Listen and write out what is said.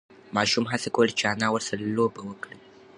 ماشوم هڅه کوله چې انا ورسره لوبه وکړي.